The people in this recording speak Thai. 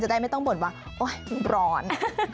ได้ไม่ต้องบ่นว่าโอ๊ยมันร้อน